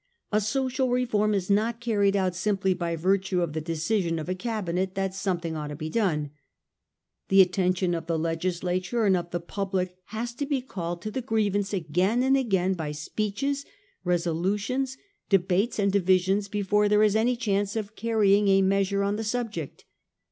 A social reform is not carried out simply by virtue of the decision of a cabinet that something ought to be done. The attention of the Legislature and of the public has to be called to the grievance again and again by speeches, resolutions, debates and divisions, before there is any chance of carrying a measure on the subject.